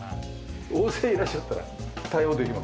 大勢いらっしゃったら対応できます。